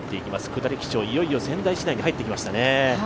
下り基調、いよいよ仙台市内に入ってきましたね。